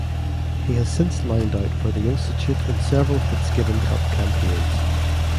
He has since lined out for the institute in several Fitzgibbon Cup campaigns.